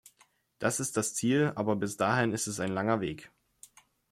Das ist das Ziel, aber bis dahin ist es ein langer Weg.